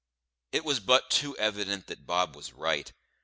It was but too evident that Bob was right.